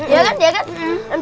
iya kan dia kan